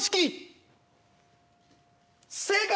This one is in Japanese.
正解！